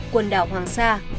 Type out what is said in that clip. quần đảo hoàng sa